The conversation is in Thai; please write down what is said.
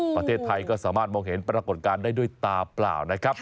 ประเทศไทยก็สามารถมองเห็นปรากฏการณ์ได้ด้วยตาเปล่านะครับ